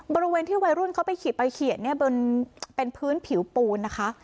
บริเวณที่วัยรุ่นเขาไปขีดไปเขียนเนี่ยเป็นพื้นผิวปูนนะคะ